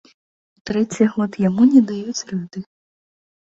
Трэці год яму не даюць рады.